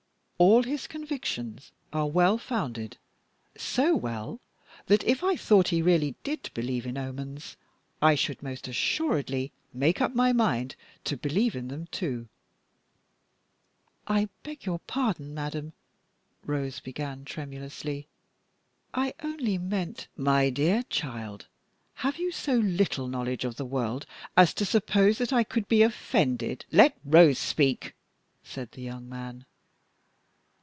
All his convictions are well founded so well, that if I thought he really did believe in omens, I should most assuredly make up my mind to believe in them too." "I beg your pardon, madame," Rose began, tremulously, "I only meant " "My dear child, have you so little knowledge of the world as to suppose that I could be offended " "Let Rose speak," said the young man.